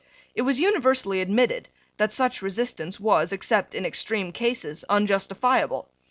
It was universally admitted that such resistance was, except in extreme cases, unjustifiable.